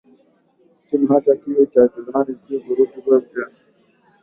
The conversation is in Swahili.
Chuma hata kiwe cha zamani sio na boriti uiweke mpya itakufa lakini chuma kipo